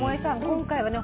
今回はね